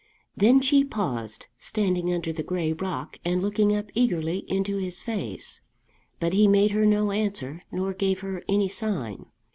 Then she paused, standing under the gray rock and looking up eagerly into his face. But he made her no answer, nor gave her any sign.